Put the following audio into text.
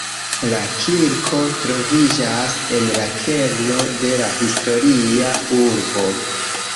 La kirko troviĝas en la kerno de la historia urbo.